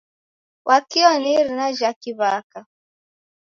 Wakio ni irina jha kiw'aka.